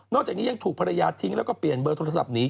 จากนี้ยังถูกภรรยาทิ้งแล้วก็เปลี่ยนเบอร์โทรศัพท์หนี